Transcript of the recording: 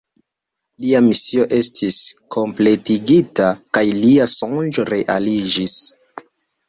Lia misio estis kompletigita kaj lia sonĝo realiĝis.